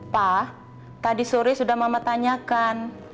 pa tadi sore sudah mama tanyakan